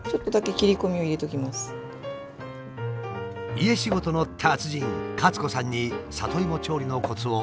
家仕事の達人カツ子さんに里芋調理のコツを教わります。